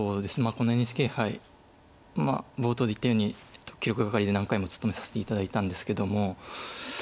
このＮＨＫ杯冒頭で言ったように記録係で何回も務めさせて頂いたんですけども。